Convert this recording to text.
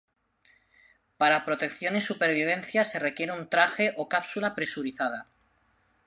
Para protección y supervivencia se requiere un traje o cápsula presurizada.